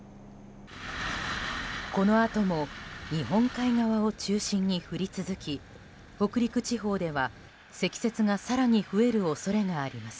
このあとも日本海側を中心に降り続き北陸地方では積雪が更に増える恐れがあります。